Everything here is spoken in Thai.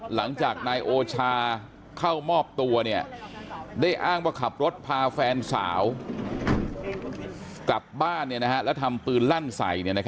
หลังจากนายโอชาเข้ามอบตัวได้อ้างว่าขับรถพาแฟนสาวกลับบ้านแล้วทำปืนลั่นใส่